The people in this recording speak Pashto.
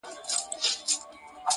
هنر خاموش زر پرستي وه پکښې,